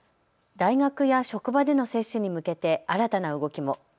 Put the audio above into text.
大学や職場での接種に向けて新たな動きも。